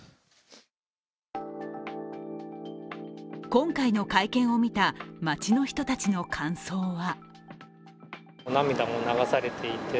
今回の会見を見た街の人たちの感想は？